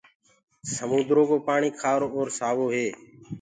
سموندرو ڪو پآڻي کآرو آور سآوو هي